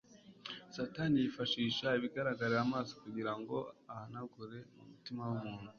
Satani yifashisha ibigaragarira amaso kugira ngo ahanagure mu mutima w'umuntu